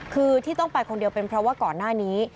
คือที่ต้องไปคนเดียวเป็นเพราะว่าก่อนหน้านี้